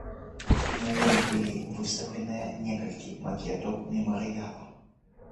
На ёй былі выстаўленыя некалькі макетаў мемарыяла.